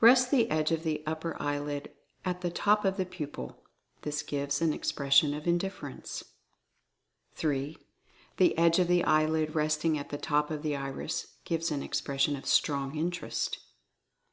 Rest the edge of the upper eyelid at the top of the pupil. This gives an expression of Indifference. 3. The edge of the eyelid resting at the top of the iris gives an expression of Strong Interest.